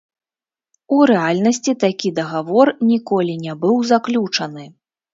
У рэальнасці такі дагавор ніколі не быў заключаны.